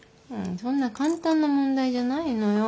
そんな簡単な問題じゃないのよ。